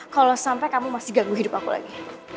kalau sampai kamu masih ganggu hidup aku lagi